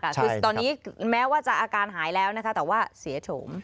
คือตอนนี้แม้ว่าจะอาการหายแล้วนะคะแต่ว่าเสียโฉม